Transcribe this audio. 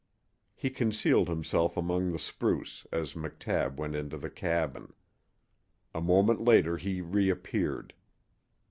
He concealed himself among the spruce as McTabb went into the cabin. A moment later he reappeared.